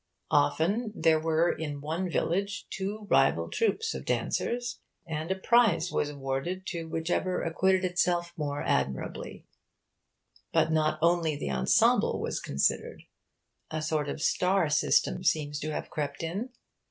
Often there were in one village two rival troupes of dancers, and a prize was awarded to whichever acquitted itself the more admirably. But not only the 'ensemble' was considered. A sort of 'star system' seems to have crept in.